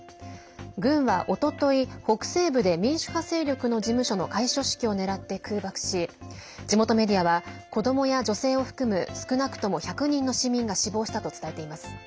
軍はおととい、北西部で民主派勢力の事務所の開所式を狙って空爆し地元メディアは子どもや女性を含む少なくとも１００人の市民が死亡したと伝えています。